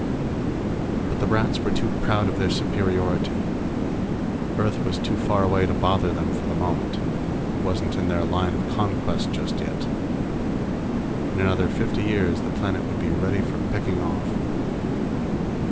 But the Rats were too proud of their superiority. Earth was too far away to bother them for the moment; it wasn't in their line of conquest just yet. In another fifty years, the planet would be ready for picking off.